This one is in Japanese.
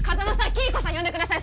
黄以子さん呼んでください。